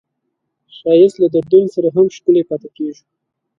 ښایست له دردونو سره هم ښکلی پاتې کېږي